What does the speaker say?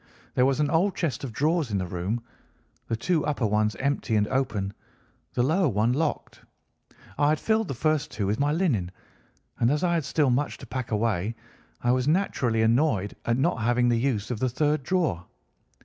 There was an old chest of drawers in the room, the two upper ones empty and open, the lower one locked. I had filled the first two with my linen, and as I had still much to pack away I was naturally annoyed at not having the use of the third drawer.